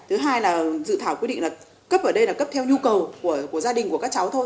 thứ hai là dự thảo quyết định là cấp ở đây là cấp theo nhu cầu của gia đình của các cháu thôi